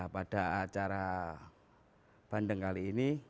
pada acara bandeng kali ini